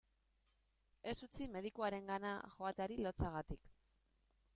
Ez utzi medikuarengana joateari lotsagatik.